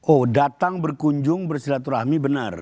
oh datang berkunjung bersilaturahmi benar